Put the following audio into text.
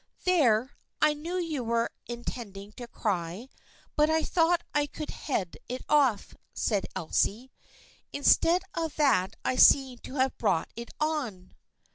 " There, I knew you were intending to cry, but I thought I could head it off," said Elsie. " In stead of that I seem to have brought it on."